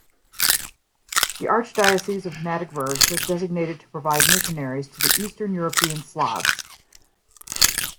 The Archdiocese of Magdeburg was designated to provide missionaries to the eastern European Slavs.